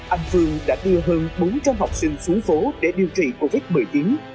anh phương đã đưa hơn bốn trăm linh học sinh xuống phố để điều trị covid một mươi chín